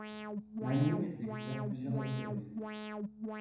Manning a découvert plusieurs astéroïdes.